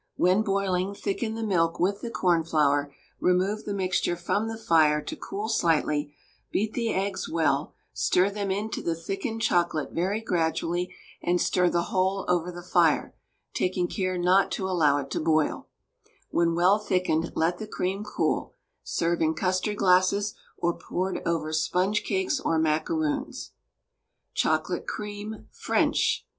When boiling thicken the milk with the cornflour; remove the mixture from the fire to cool slightly, beat the eggs well, stir them into the thickened chocolate very gradually, and stir the whole over the fire, taking care not to allow it to boil When well thickened let the cream cool; serve in custard glasses or poured over sponge cakes or macaroons. CHOCOLATE CREAM (French) (1).